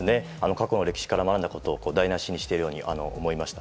過去の歴史から学んだことを台なしにしているように思いました。